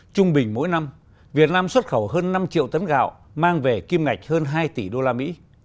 trung bình mỗi năm việt nam xuất khẩu hơn năm triệu tấn gạo mang về kim ngạch hơn hai tỷ usd